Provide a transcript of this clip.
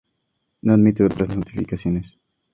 No admite otras notificaciones.